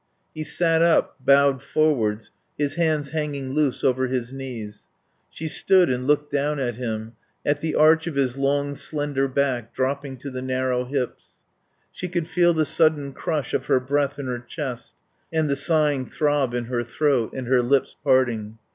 He sat up, bowed forwards, his hands hanging loose over his knees. She stood and looked down at him, at the arch of his long, slender back dropping to the narrow hips. She could feel the sudden crush of her breath in her chest and the sighing throb in her throat and her lips parting.